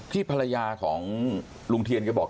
ภรรยาของลุงเทียนก็บอก